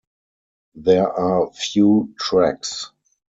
There are few tracks.